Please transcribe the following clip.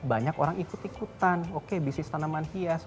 banyak orang ikut ikutan oke bisnis tanaman hias